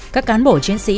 các cán bộ chiến sĩ